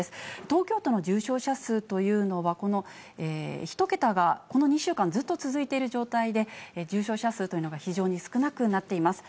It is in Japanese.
東京都の重症者数というのは、この１桁がこの２週間、ずっと続いている状態で、重症者数というのが非常に少なくなっています。